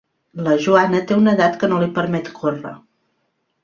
La Joana té una edat que no li permet córrer.